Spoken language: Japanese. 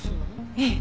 ええ。